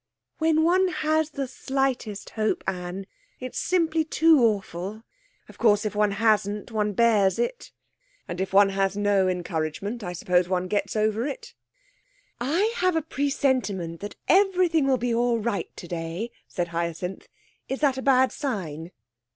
'When one has the slightest hope, Anne, it's simply too awful. Of course, if one hasn't, one bears it.' 'And if one has no encouragement, I suppose one gets over it?' 'I have a presentiment that everything will be all right today,' said Hyacinth. 'Is that a bad sign?'